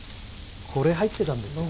これ入ってたんですけど